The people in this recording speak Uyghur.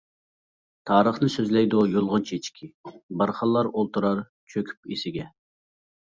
تارىخنى سۆزلەيدۇ يۇلغۇن چېچىكى، بارخانلار ئولتۇرار چۆكۈپ ئېسىگە.